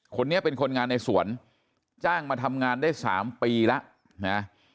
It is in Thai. คนนี้เป็นคนงานในสวนจ้างมาทำงานได้๓ปีแล้วนะ